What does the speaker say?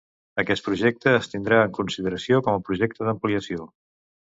Aquest projecte es tindrà en consideració com a projecte d'ampliació.